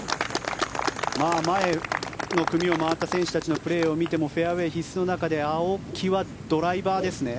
前の組を回った選手たちのプレーを見るとフェアウェー必須の中で青木はドライバーですね？